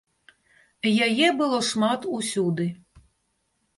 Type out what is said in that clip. Яе было шмат усюды.